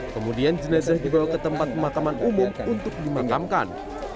kemudian jenazah dibawa ke tempat pemakaman umum untuk dimakamkan